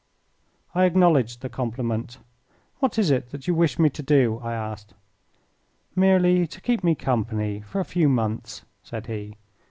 I acknowledged the compliment. "What is it that you wish me to do?" I asked. "Merely to keep me company for a few months," said he.